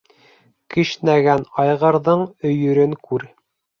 Кешнәгән айғырҙың өйөрөн күр